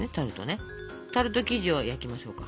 タルト生地を焼きましょうか。